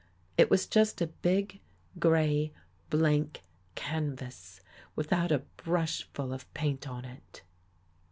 It was just a big, gray, blank canvas, without a brushful of paint on it.